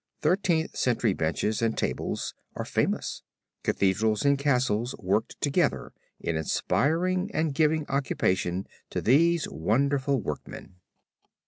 Thirteenth Century benches and tables are famous. Cathedrals and castles worked together in inspiring and giving occupation to these wonderful workmen.